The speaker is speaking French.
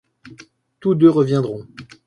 Tous deux reviendront.